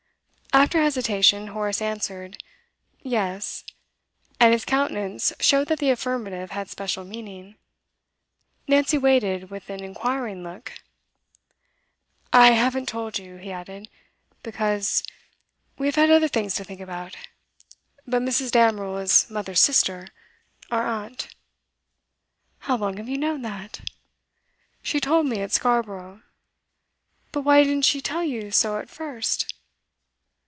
After hesitation, Horace answered, 'Yes,' and his countenance showed that the affirmative had special meaning. Nancy waited with an inquiring look. 'I haven't told you,' he added, 'because we have had other things to think about. But Mrs. Damerel is mother's sister, our aunt.' 'How long have you known that?' 'She told me at Scarborough.' 'But why didn't she tell you so at first?